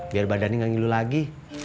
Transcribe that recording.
biar badannya gak ngilu lagi